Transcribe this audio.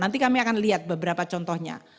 nanti kami akan lihat beberapa contohnya